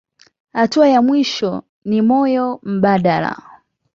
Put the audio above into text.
Hatua ya mwisho ni moyo mbadala.